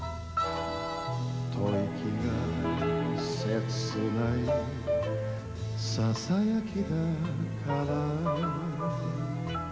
「吐息が切ない囁きだから」